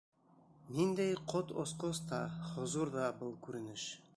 Ниндәй ҡот осҡос та, хозур ҙа был күренеш.